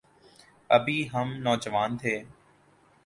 ابھی ہم نوجوان تھے۔